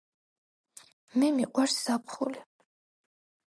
მე მიყვარს ზაფხული